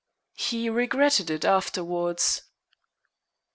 He regretted it afterwards.